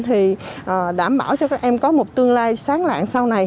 thì đảm bảo cho các em có một tương lai sáng lạng sau này